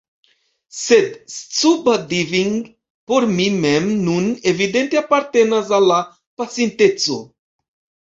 Sed scuba diving por mi mem nun evidente apartenas al la pasinteco.